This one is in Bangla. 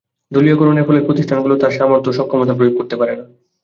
দলীয়করণের ফলে প্রতিষ্ঠানগুলো তার সামর্থ্য ও সক্ষমতা প্রয়োগ করতে পারে না।